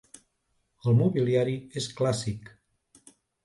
El mobiliari és clàssic.